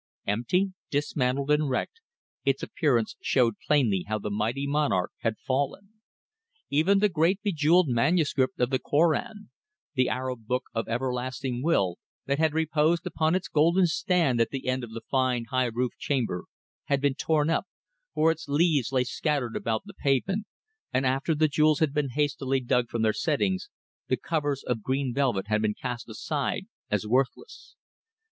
Empty, dismantled and wrecked, its appearance showed plainly how the mighty monarch had fallen. Even the great bejewelled manuscript of the Korân, the Arab book of Everlasting Will, that had reposed upon its golden stand at the end of the fine, high roofed chamber, had been torn up, for its leaves lay scattered about the pavement and after the jewels had been hastily dug from their settings, the covers of green velvet had been cast aside as worthless.